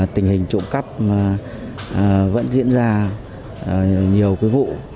tình hình trộm cắp vẫn diễn ra nhiều vụ